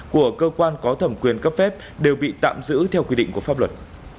của cơ quan có thẩm quyền cấp phép đều bị tạm giữ theo quy định của pháp luật